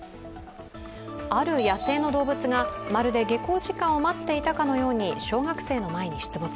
ある野生の動物がまるで下校時間を待っていたかのように小学生の前に出没。